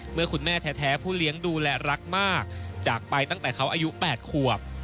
คุณแม่แท้ผู้เลี้ยงดูและรักมากจากไปตั้งแต่เขาอายุ๘ขวบ